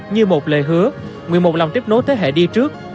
như một lời hứa nguyện một lòng tiếp nối thế hệ đi trước